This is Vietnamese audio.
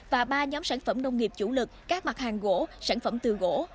và ba nhóm sản phẩm nông nghiệp chủ lực các mặt hàng gỗ sản phẩm từ gỗ